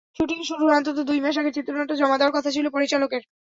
Shooting শুরুর অন্তত দুই মাস আগে চিত্রনাট্য জমা দেওয়ার কথা ছিল পরিচালকের।